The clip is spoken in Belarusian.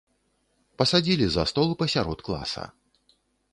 Пасадзілі за стол пасярод класа.